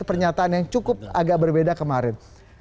pernyataan yang cukup agak berbeda kemarin